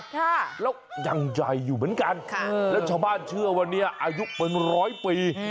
ค่ะแล้วยังใหญ่อยู่เหมือนกันค่ะแล้วชาวบ้านเชื่อว่าเนี่ยอายุเป็นร้อยปี